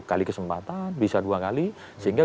kali kesempatan bisa dua kali sehingga